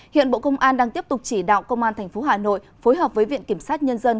hiện bộ công an đang tiếp tục chỉ đạo công an tp hà nội phối hợp với viện kiểm sát nhân dân